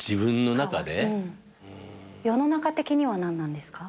世の中的には何なんですか？